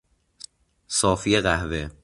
صافی قهوه